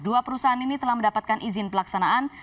dua perusahaan ini telah mendapatkan izin pelaksanaan